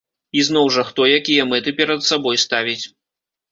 І зноў жа, хто якія мэты перад сабой ставіць.